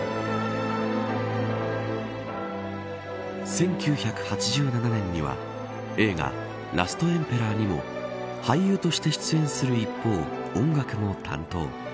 １９８７年には映画ラストエンペラーにも俳優として出演する一方音楽も担当。